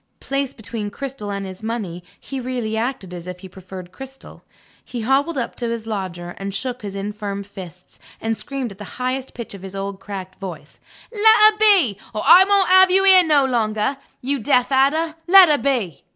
Placed between Cristel and his money, he really acted as if he preferred Cristel. He hobbled up to his lodger, and shook his infirm fists, and screamed at the highest pitch of his old cracked voice: "Let her be, or I won't have you here no longer! You deaf adder, let her be!"